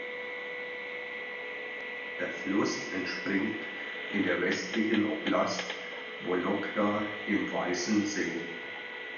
Der Fluss entspringt in der westlichen Oblast Wologda im Weißen See.